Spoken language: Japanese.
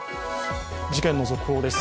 事件の続報です。